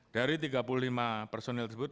dari tiga puluh lima personil tersebut